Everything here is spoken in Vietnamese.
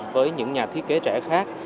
với những nhà thiết kế trẻ khác